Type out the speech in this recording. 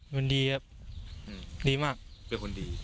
มันดีครับดีมาก